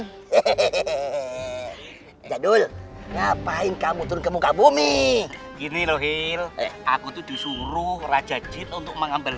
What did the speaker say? hehehe jadul ngapain kamu turun ke muka bumi gini loh hil aku tuh disuruh raja jin untuk mengambil